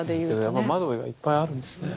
やっぱ窓がいっぱいあるんですね。